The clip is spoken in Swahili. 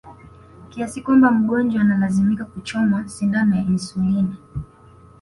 kiasi kwamba mgonjwa analazimika kuchomwa sindano ya insulini